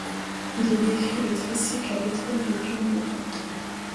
Il y décrit le tricycle à pétrole De Dion Bouton.